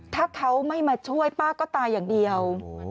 ถ้าเขาไม่มาช่วยป้าก็ตายอย่างเดียว